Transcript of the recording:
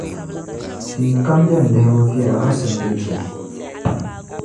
tia kam din lihibu viɛla ka simdi dibu.